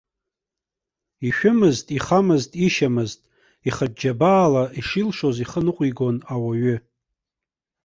Ишәымызт, ихамызт, ишьамызт, ихатә џьабаала ишилшоз ихы ныҟәигон ауаҩы.